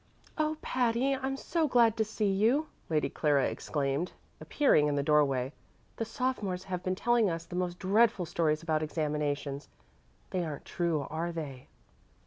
"Oh, Patty, I'm so glad to see you!" Lady Clara exclaimed, appearing in the doorway. "The sophomores have been telling us the most dreadful stories about examinations. They aren't true, are they?"